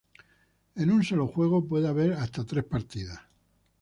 En un solo juego puede haber hasta tres partidas.